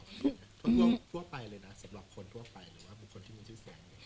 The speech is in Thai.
เพราะทั่วไปเลยนะสำหรับคนทั่วไปหรือเป็นคนที่มีชื่อเสียง